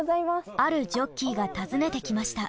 あるジョッキーが訪ねてきました。